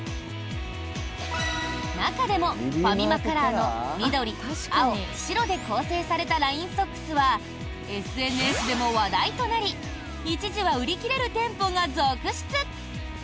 中でもファミマカラーの緑、青、白で構成されたラインソックスはＳＮＳでも話題となり一時は売り切れる店舗が続出！